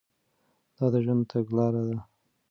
دا د ژوند تګلاره ده.